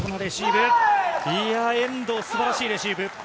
遠藤、素晴らしいレシーブ。